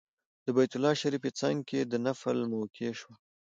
د بیت الله شریف څنګ کې د نفل موقع شوه.